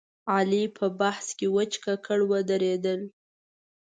علي په بحث کې وچ ککړ ودرېدل.